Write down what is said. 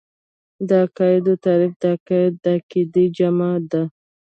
د عقايدو تعريف عقايد د عقيدې جمع ده .